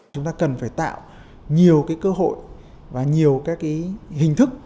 chúng ta cần phải tạo nhiều cơ hội và nhiều các hình thức